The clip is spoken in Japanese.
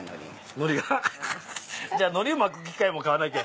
のりを巻く機械も買わなきゃ。